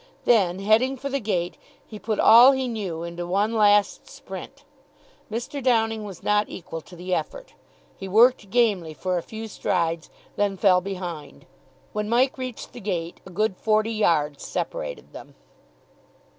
Then, heading for the gate, he put all he knew into one last sprint. Mr. Downing was not equal to the effort. He worked gamely for a few strides, then fell behind. When Mike reached the gate, a good forty yards separated them.